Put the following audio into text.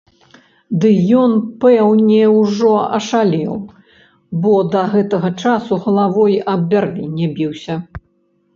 Ды ён пэўне ўжо ашалеў, бо да гэтага часу галавой аб бярвенне біўся.